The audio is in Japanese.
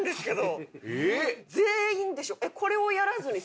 全員でしょ。